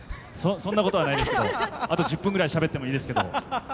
そ、そんなことはない、あと１０分ぐらいしゃべってもいいですけど。